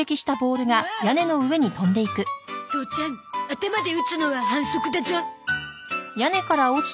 父ちゃん頭で打つのは反則だゾ。